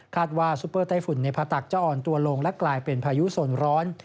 ว่าซุปเปอร์ไต้ฝุ่นในผตักจะอ่อนตัวลงและกลายเป็นพายุส่วนร้อน